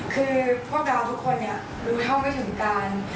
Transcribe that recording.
คือพวกเราทุกคนรู้เท่าไม่ถึงการ